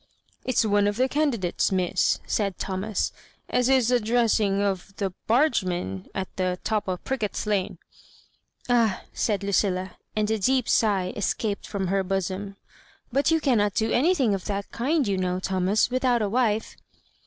*' It's one of the candidates, Miss," said Tho mas, '^ as is addressing of the baigemen at the top o' Prickett's Lane." ^' Ah t " said Lucilla; and a deep sigh escaped ftom her bosom. But you cannot do anything of that kmd^ you know, Thonias, without a wife."